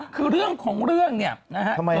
คือเรื่องของเรื่องทำไมคะ